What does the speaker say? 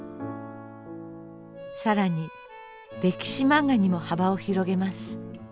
更に歴史漫画にも幅を広げます。